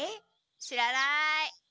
知らない。